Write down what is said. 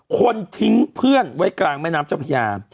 คนทิ้งเพื่อนไว้กลางแม่น้ำเจ้าพญา